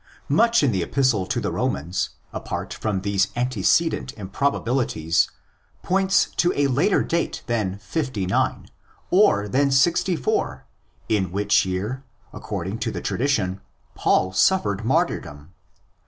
Much in the Epistle to the Romans, apart from these antecedent improbabilities, points to a later date than 59, or than 64, in which year, according to the tradition, Paul suffered martyrdom.